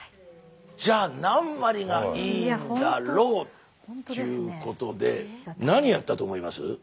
じゃあ何割がいいんだろう？っていうことで何やったと思います？